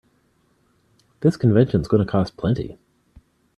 This convention's gonna cost plenty.